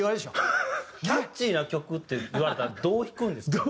キャッチーな曲って言われたらどう弾くんですか？